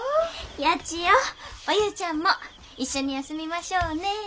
八千代おゆうちゃんも一緒にやすみましょうね。